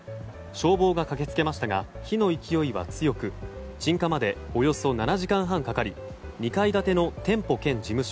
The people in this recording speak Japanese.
消防が駆け付けましたが火の勢いは強く鎮火までおよそ７時間半かかり２階建ての店舗兼事務所